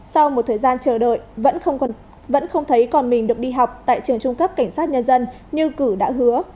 sau một thời gian chờ đợi vẫn không thấy còn mình được đi học tại trường trung cấp cảnh sát nhân dân như cử đã hứa